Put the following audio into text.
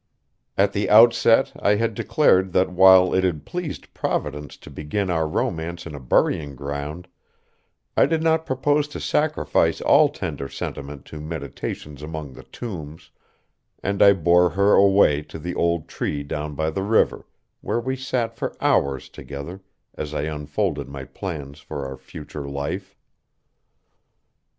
At the outset I had declared that while it had pleased Providence to begin our romance in a burying ground, I did not propose to sacrifice all tender sentiment to meditations among the tombs, and I bore her away to the old tree down by the river, where we sat for hours together as I unfolded my plans for our future life.